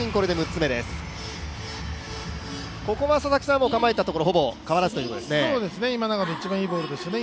ここは構えたところ、ほぼ変わらずというところですね。